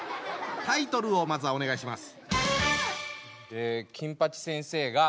タイトルをまずはお願いします。